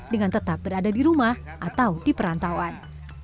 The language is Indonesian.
dengan tetap berada di rumah atau di perantauan